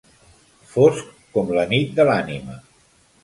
Fosc com la nit de l'ànima.